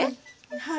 はい。